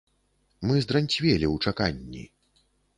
Мы здранцвелі ў чаканні.